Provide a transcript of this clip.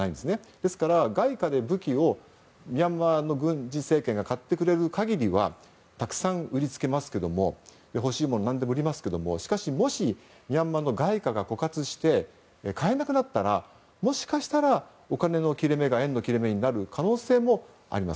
ですから外貨で武器をミャンマーの軍事政権が買ってくれる限りはたくさん売りつけますけれども欲しいもの何でも売りますけどしかし、もしミャンマーの外貨が枯渇して、買えなくなったらもしかしたらお金の切れ目が縁の切れ目になる可能性もあります。